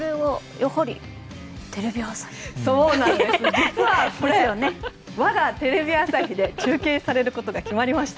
実は、我がテレビ朝日で中継されることが決まりました。